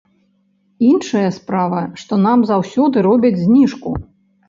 Іншая справа, што нам заўсёды робяць зніжку.